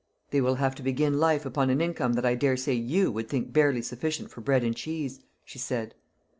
"They will have to begin life upon an income that I daresay you would think barely sufficient for bread and cheese," she said.